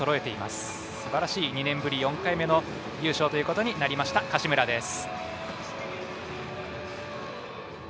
すばらしい２年ぶり４回目の優勝ということになりました柏村です。